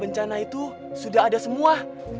bencana itu sudah ada semua